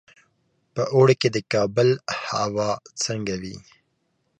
په اوړي کې د کابل هوا څنګه وي؟